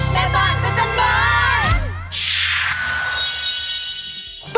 แม่บ้านประจันบาล